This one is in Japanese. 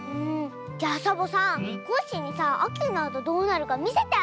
じゃあサボさんコッシーにさあきになるとどうなるかみせてあげようよ。